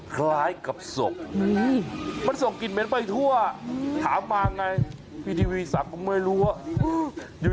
คล้ายกับศพมันส่งกลิ่นเหม็นไปทั่วถามมาไงพี่ทีวีสักผมไม่รู้ว่าอยู่